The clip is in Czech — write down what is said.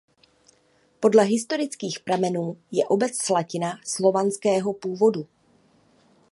Podle historických pramenů je obec Slatina slovanského původu.